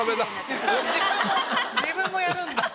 自分もやるんだ。